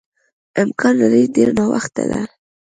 امکان لري ډېر ناوخته ده.